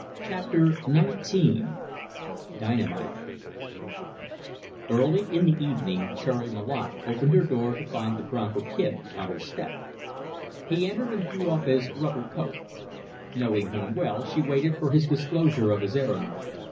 CHAPTER XIX DYNAMITE Early in the evening Cherry Malotte opened her door to find the Bronco Kid on her step. He entered and threw off his rubber coat. Knowing him well, she waited for his disclosure of his errand.